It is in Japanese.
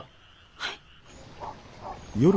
はい？